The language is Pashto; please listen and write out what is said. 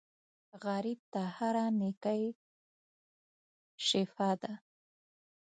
غریب ته هره نېکۍ شفاء ده